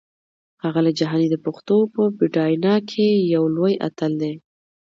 ښاغلی جهاني د پښتو په پډاینه کې یو لوی اتل دی!